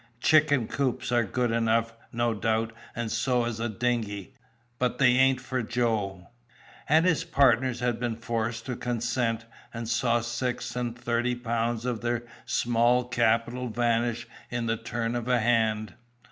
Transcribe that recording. Chicken coops are good enough, no doubt, and so is a dinghy; but they ain't for Joe." And his partners had been forced to consent, and saw six and thirty pounds of their small capital vanish in the turn of a hand.